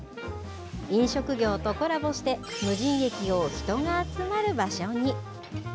飲食業とコラボして、無人駅を人が集まる場所に。